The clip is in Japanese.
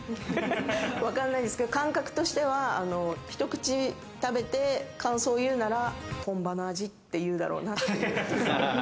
わかんないんですけれども、感覚としては、一口食べて感想を言うなら本場の味って言うだろうなという。